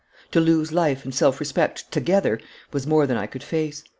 To lose life and self respect together was more than I could face.